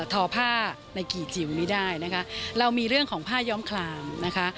ทอผ้าในกี่จิ๋วนี้ได้นะคะเรามีเรื่องของผ้าย้อมคลามนะคะ